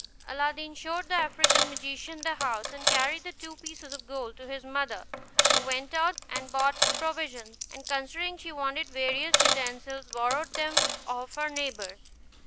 Aladdin showed the African magician the house, and carried the two pieces of gold to his mother, who went out and bought provisions; and, considering she wanted various utensils, borrowed them of her neighbors.